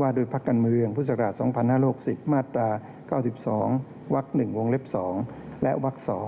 ว่าโดยพักการเมืองพุทธศักราช๒๕๖๐มาตรา๙๒วัก๑วงเล็บ๒และวัก๒